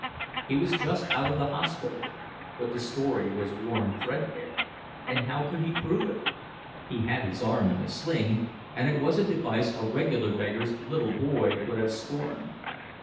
He was just out of the hospital—but the story was worn threadbare, and how could he prove it? He had his arm in a sling—and it was a device a regular beggar's little boy would have scorned.